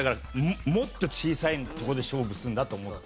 もっと小さいところで勝負するんだと思って。